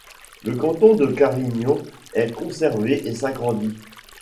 Le canton de Carignan est conservé et s'agrandit.